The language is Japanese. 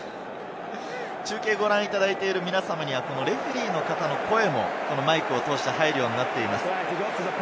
中継をご覧いただいている皆さまにはレフェリーの声もマイクを通して入るようになっています。